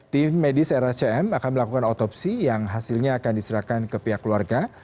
tim medis rscm akan melakukan otopsi yang hasilnya akan diserahkan ke pihak keluarga